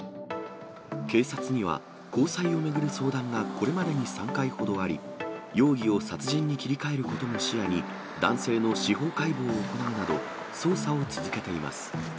警察には、交際を巡る相談がこれまでに３回ほどあり、容疑を殺人に切り替えることも視野に、男性の司法解剖を行うなど、捜査を続けています。